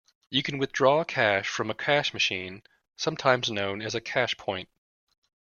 You can withdraw cash from a cash machine, sometimes known as a cashpoint